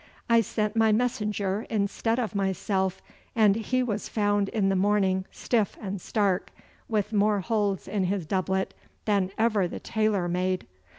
I sent my messenger instead of myself, and he was found in the morning stiff and stark, with more holes in his doublet than ever the tailor made.